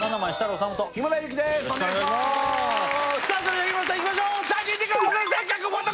それでは日村さんいきましょう！